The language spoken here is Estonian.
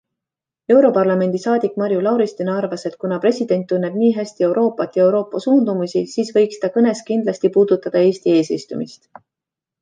Europarlamendi saadik Marju Lauristin arvas, et kuna president tunneb nii hästi Euroopat ja Euroopa suundumusi, siis võiks ta kõnes kindlasti puudutada Eesti eesistumist.